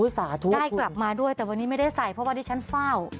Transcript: สาทุกข์คุณได้กลับมาด้วยแต่วันนี้ไม่ได้ใส่เพราะวันนี้ฉันเฝ้า